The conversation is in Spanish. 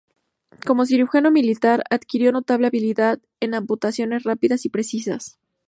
Como cirujano militar adquirió notable habilidad en amputaciones rápidas y precisas.